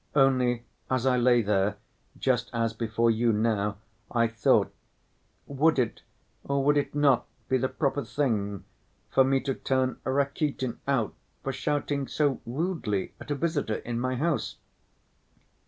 Only as I lay there, just as before you now, I thought, 'Would it, or would it not, be the proper thing for me to turn Rakitin out for shouting so rudely at a visitor in my house?